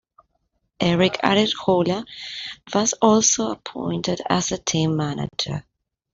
Erick Arejola was also appointed as the team Manager.